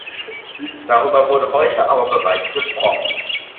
Darüber wurde heute aber bereits gesprochen.